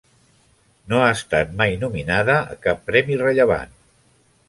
No ha estat mai nominada a cap premi rellevant.